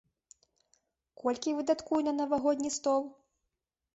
Колькі выдаткую на навагодні стол?